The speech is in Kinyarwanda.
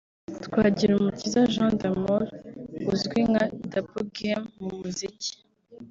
Twagirumukiza Jean d'Amour uzwi nka Double Game mu muziki